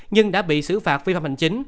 nhưng đã bị xử phạt phi phạm hành chính